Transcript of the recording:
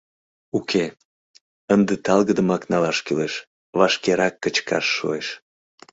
Уке, ынде талгыдымак налаш кӱлеш: вашкерак кычкаш шуэш...»